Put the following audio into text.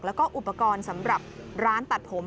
แล้วก็อุปกรณ์สำหรับร้านตัดผม